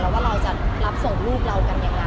ว่าเราจะรับส่งลูกเรากันอย่างไร